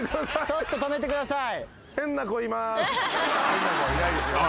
ちょっと止めてください。